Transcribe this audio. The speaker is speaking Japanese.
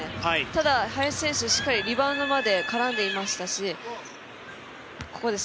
ただ、林選手しっかりリバウンドまで絡んでいましたし。